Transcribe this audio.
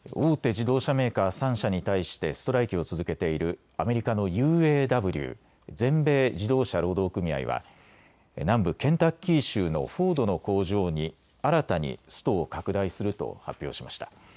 自動車メーカー３社に対してストライキを続けているアメリカのＵＡＷ・全米自動車労働組合は南部ケンタッキー州のフォードの工場に新たにストを拡大すると発表しました。